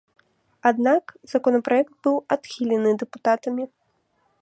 Аднак законапраект быў адхілены дэпутатамі.